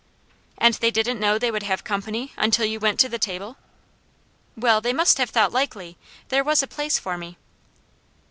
"And they didn't know they would have company until you went to the table?" "Well, they must have thought likely, there was a place for me."